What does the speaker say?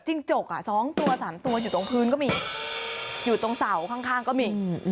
จกอ่ะ๒ตัว๓ตัวอยู่ตรงพื้นก็มีอยู่ตรงเสาข้างก็มี